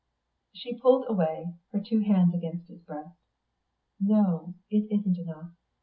She pulled away, her two hands against his breast. "No, it isn't enough.